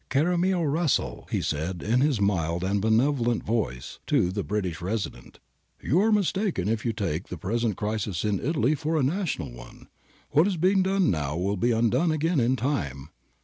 Caro mio Russell,' he said in his ' mild and benevolent voice ' to the British Resident, ' you are mistaken if you take ' ThoHvenel, i. 275 276. PAPAL MISCALCULATIONS 207 the present crisis in Italy for a national one. What is being done now will be undone again in time.